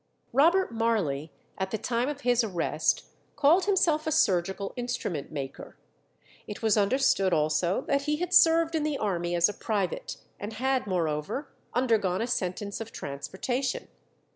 Robert Marley at the time of his arrest called himself a surgical instrument maker. It was understood also that he had served in the army as a private, and had, moreover, undergone a sentence of transportation.